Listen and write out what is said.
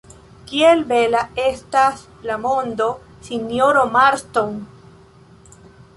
Kiel bela estas la mondo, sinjoro Marston!